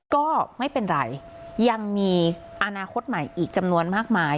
ก็ไม่เป็นไรยังมีอนาคตใหม่อีกจำนวนมากมาย